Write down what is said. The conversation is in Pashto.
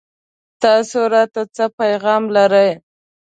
تاسو راته څه پيغام لرئ